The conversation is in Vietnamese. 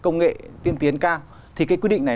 công nghệ tiên tiến cao thì cái quy định này